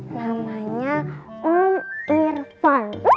namanya om irfan